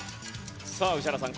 さあ宇治原さん